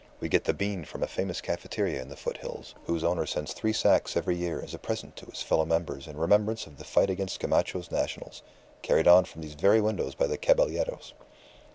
We get the bean from a famous cafeteria in the foot hills, whose owner sends three sacks every year as a present to his fellow members in remembrance of the fight against Gamacho's Nationals, carried on from these very windows by the caballeros.